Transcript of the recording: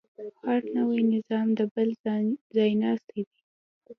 هر نوی نظام د بل ځایناستی دی.